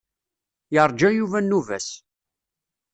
Yeṛǧa Yuba nnuba-s.